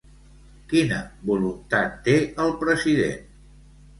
Quina voluntat té el president?